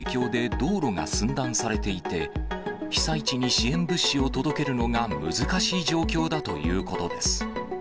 海外メディアによりますと、土砂崩れの影響で道路が寸断されていて、被災地に支援物資を届けるのが難しい状況だということです。